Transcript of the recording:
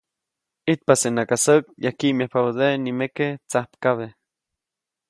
ʼIjtpasenaka säk, yajkkiʼmyajpabädeʼe nimeke tsajpkabe.